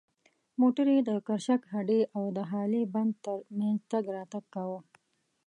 موټر یې د کرشک هډې او د هالې بند تر منځ تګ راتګ کاوه.